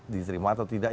diterima atau tidak